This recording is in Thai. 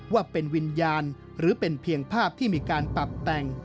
ว่าเป็นวิญญาณหรือเป็นเพียงภาพที่มีการปรับแต่ง